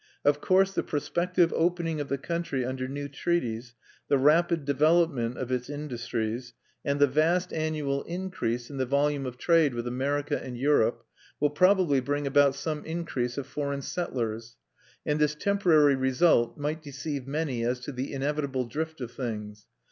Of course the prospective opening of the country under new treaties, the rapid development of its industries, and the vast annual increase in the volume of trade with America and Europe, will probably bring about some increase of foreign settlers; and this temporary result might deceive many as to the inevitable drift of things.